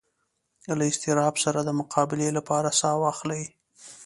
له اضطراب سره د مقابلې لپاره ساه واخلئ.